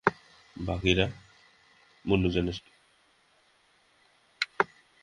কেননা, বিয়ের পরপরই মোদি রাষ্ট্রীয় স্বয়ংসেবক সংঘের প্রচারক হতে সংসার ছাড়েন।